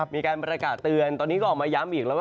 มีการประกาศเตือนตอนนี้ก็ออกมาย้ำอีกแล้วว่า